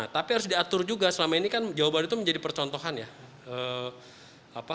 tapi harus diatur juga selama ini kan jawa barat itu menjadi percontohan ya